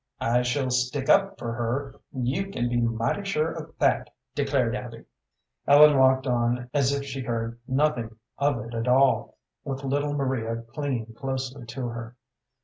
"I shall stick up for her, you can be mighty sure of that," declared Abby. Ellen walked on as if she heard nothing of it at all, with little Maria clinging closely to her.